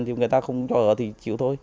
nhưng người ta không cho ở thì chịu thôi